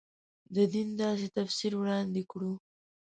د دین داسې تفسیر وړاندې کړو.